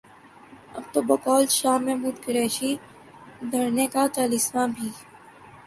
اب تو بقول شاہ محمود قریشی، دھرنے کا چالیسواں بھی